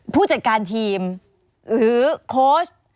ผู้จัดการทีมหรือโค้ช